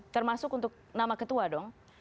termasuk untuk nama ketua dong